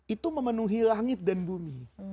itu memenuhi langit dan bumi